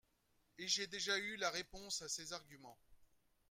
Et j’ai déjà eu la réponse à ces arguments.